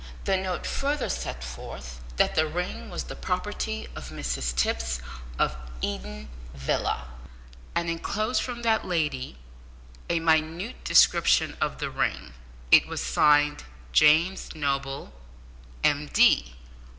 The note further set forth, that the ring was the property of Mrs Tipps of Eden Villa, and enclosed from that lady a minute description of the ring. It was signed James Noble, M.D.